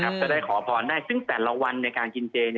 ก็ได้ขอพรได้ซึ่งแต่ละวันในการกินเจ